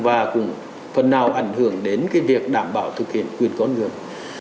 và cũng phần nào ảnh hưởng đến việc đảm bảo thực hiện quyền con người